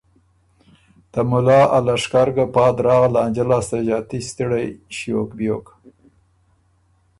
ته مُلا ا لشکر ګۀ پا دراغه لانجۀ لاسته ݫاتي ستِړئ ݭیوک بیوک،